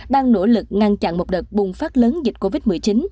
đang nỗ lực ngăn chặn một đợt bùng phát lớn dịch covid một mươi chín